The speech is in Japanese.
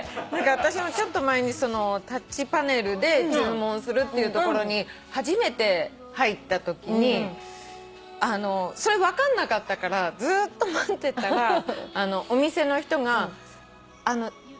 私もちょっと前にタッチパネルで注文するっていうところに初めて入ったときにそれ分かんなかったからずーっと待ってたらお店の人があっすいませんって呼んだんだ。